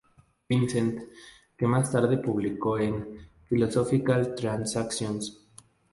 Vincent, que más tarde publicó en "Philosophical Transactions".